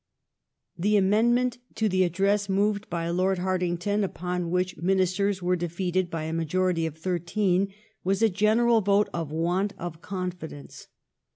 The amendment to the Address moved by Lord Har tingtoUy upon which Ministers were defeated by a majority of thirteen, was a general vote of want of con fidence.